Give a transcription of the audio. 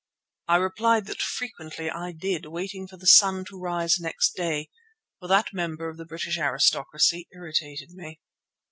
I replied that frequently I did, waiting for the sun to rise next day, for that member of the British aristocracy irritated me.